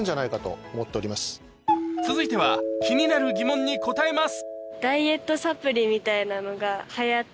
続いては気になる疑問に答えます